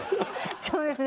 そうですね。